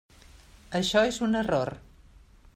Això és un error.